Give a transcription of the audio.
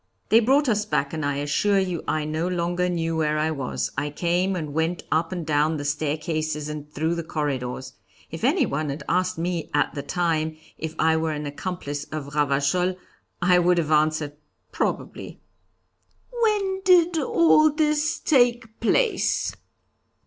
They brought us back, and I assure you I no longer knew where I was. I came and went up and down the staircases and through the corridors. If anyone had asked me at the time if I were an accomplice of Ravachol, I would have answered, 'Probably.'" "When did all this take place?"